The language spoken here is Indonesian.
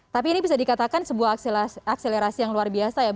tapi ini bisa dikatakan sebuah akselerasi yang luar biasa ya